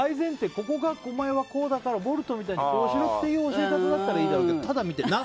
ここがお前はこうだからボルトみたいにこうしろっていう教え方だったらいいだろうけどただ見て、な！